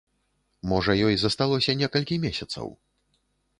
Можа, ёй засталося некалькі месяцаў?